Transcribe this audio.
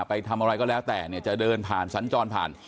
ไปทำอะไรก็แล้วแต่เนี่ยจะเดินผ่านสัญจรผ่าน